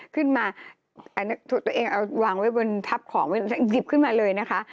ขึ้นมาตัวเองวางไว้บนทัพของหยิบขึ้นมาเลยนะคะ